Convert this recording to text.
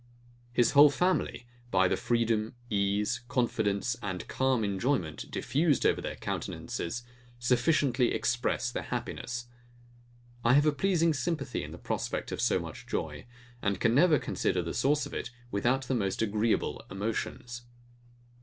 His whole family, by the freedom, ease, confidence, and calm enjoyment, diffused over their countenances, sufficiently express their happiness. I have a pleasing sympathy in the prospect of so much joy, and can never consider the source of it, without the most agreeable emotions.